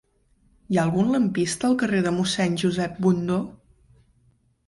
Hi ha algun lampista al carrer de Mossèn Josep Bundó?